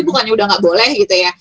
bukannya udah nggak boleh gitu ya